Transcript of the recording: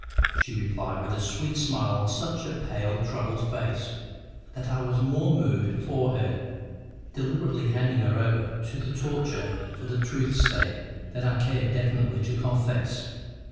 she replied, with a sweet smile on such a pale troubled face, that I was more moved for her, deliberately handing her over to the torture for the truth's sake, than I care definitely to confess.